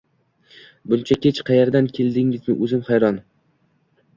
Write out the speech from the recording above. Buncha kuch qayerdan kelganiga o’zim hayron.